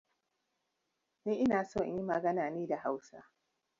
He subsequently rose to become chairman of the Parliamentary Committee on Foreign Affairs.